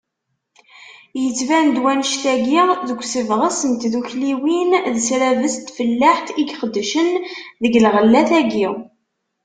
Yettban-d wannect-agi, deg usebɣes n tddukkliwin d ssrabes n tfellaḥt i iqeddcen deg lɣellat-agi.